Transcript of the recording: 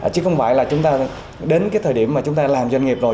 chứ không phải là chúng ta đến cái thời điểm mà chúng ta làm doanh nghiệp rồi